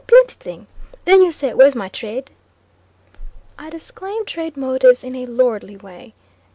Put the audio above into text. plenty thing. Then you say where's my trade?" I disclaimed trade motives in a lordly way.